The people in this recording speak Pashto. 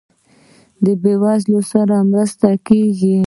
د بیوزلو سره مرسته کیږي؟